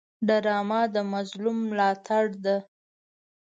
ډرامه د مظلوم ملاتړ ده